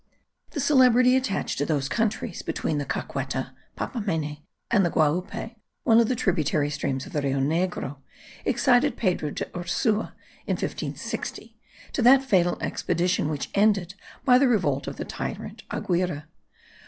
The celebrity attached to those countries between the Caqueta (Papamene) and the Guaupe (one of the tributary streams of the Rio Negro) excited Pedro de Ursua, in 1560, to that fatal expedition, which ended by the revolt of the tyrant Aguirre.